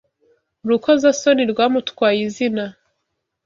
Urukozasoni rwamutwaye izina.